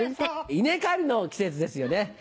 稲刈りの季節ですよね。